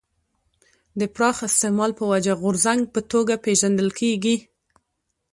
د پراخ استعمال په وجه غورځنګ په توګه پېژندل کېږي.